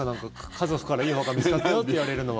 家族からいいお墓見つかったよって言われるのは。